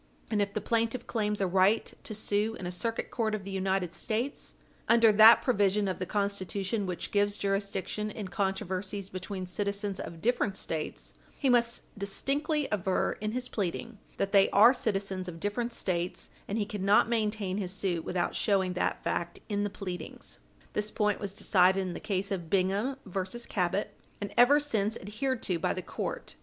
And if the plaintiff claims a right to sue in a Circuit Court of the United States under that provision of the Constitution which gives jurisdiction in controversies between citizens of different States, he must distinctly aver in his pleading that they are citizens of different States, and he cannot maintain his suit without showing that fact in the pleadings. This point was decided in the case of Bingham v. Cabot, in 3 Dall. 382, and ever since adhered to by the court.